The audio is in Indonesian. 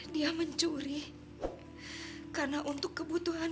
dia mencuri karena untuk kebutuhan